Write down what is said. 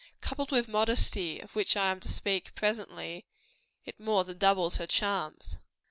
Coupled with modesty, of which I am to speak presently, it more than doubles her charms.